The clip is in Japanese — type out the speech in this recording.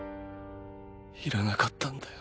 いらなかったんだよ。